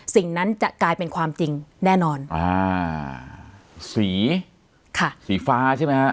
สิ่งนั้นจะกลายเป็นความจริงแน่นอนอ่าสีค่ะสีฟ้าใช่ไหมฮะ